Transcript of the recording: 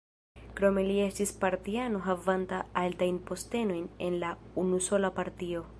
Krome li estis partiano havanta altajn postenojn en la unusola partio.